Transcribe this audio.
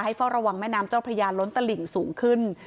เฝ้าระวังแม่น้ำเจ้าพระยาล้นตลิ่งสูงขึ้น